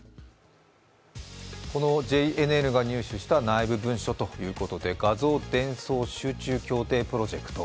このＪＮＮが入手した内部文書ということで画像伝送集中協定プロジェクト。